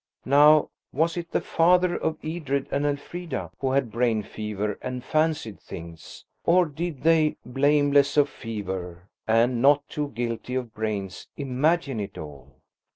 ..... Now, was it the father of Edred and Elfrida who had brain fever and fancied things? Or did they, blameless of fever, and not too guilty of brains, imagine it all?